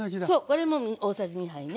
これも大さじ２杯ね。